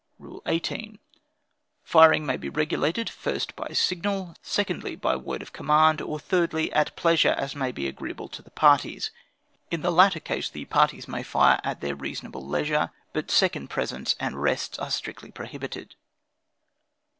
"Rule 19. Firing may be regulated, first by signal; secondly, by word of command; or, thirdly, at pleasure, as may be agreeable to the parties. In the latter case, the parties may fire at their reasonable leisure, but second presents and rests are strictly prohibited.